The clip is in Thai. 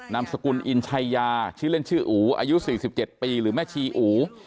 นามสกุลอินชัยยาชื่อเล่นชื่ออูอายุ๔๗ปีหรือแม่ชีอู